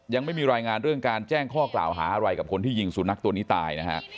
ยังไม่มีรายงานเรื่องการแจ้งข้อกล่าวหาอะไรกับคนที่ยิงสุนัขตัวนี้ตายนะฮะ